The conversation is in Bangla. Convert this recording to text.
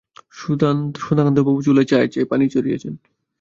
সুধাকান্তবাবু চুলায় চায়ের পানি চড়িয়েছেন।